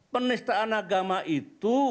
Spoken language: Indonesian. penistakan agama itu